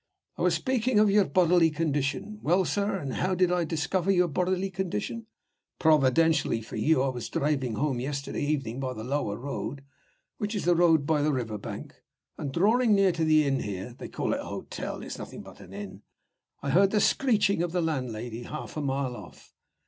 I was speaking of your bodily condition. Well, sir, and how did I discover your bodily condition? Providentially for you I was driving home yesterday evening by the lower road (which is the road by the river bank), and, drawing near to the inn here (they call it a hotel; it's nothing but an inn), I heard the screeching of the landlady half a mile off.